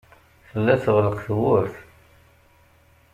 Tella teɣleq tewwurt.